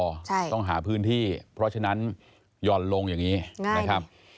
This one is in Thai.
ใช่ต้องหาพื้นที่เพราะฉะนั้นหย่อนลงอย่างนี้นะครับ